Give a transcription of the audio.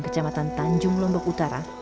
kecamatan tanjung lombok utara